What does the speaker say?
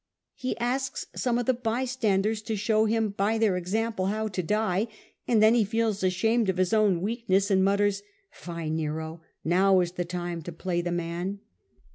He asks some of the bystanders to then at last show him by their example how to die, and then he feels ashamed of his own weakness and »elf. mutters, ^ Fie, Nero ! now is the time to play the man.